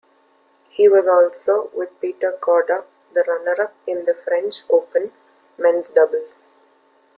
He was also, with Petr Korda, the runner-up in the French Open men's doubles.